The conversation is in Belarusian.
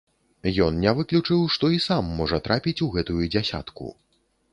Ён не выключыў, што і сам можа трапіць у гэтую дзясятку.